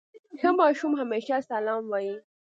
ښه ماشوم همېشه سلام وايي.